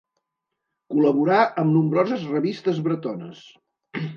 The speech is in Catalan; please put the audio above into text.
Col·laborà amb nombroses revistes bretones.